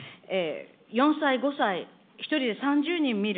４歳、５歳、１人で３０人見る。